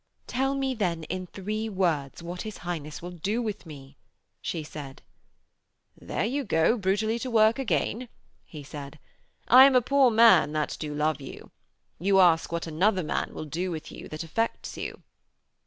'Tell me, then, in three words, what his Highness will do with me,' she said. 'There you go brutally to work again,' he said. 'I am a poor man that do love you. You ask what another man will do with you that affects you.'